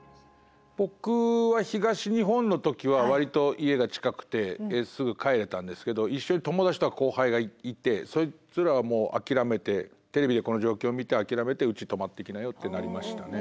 僕は東日本の時は割と家が近くてすぐ帰れたんですけど一緒に友達と後輩がいてそいつらはもう諦めてテレビでこの状況を見て諦めてうち泊まっていきなよってなりましたね。